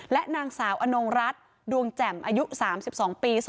และนางสาวอนงรัฐดวงแจ่มอายุ๓๒ปี